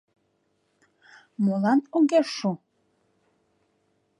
— Молан огеш шу?